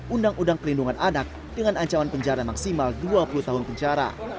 undang undang perlindungan anak dengan ancaman penjara maksimal dua puluh tahun penjara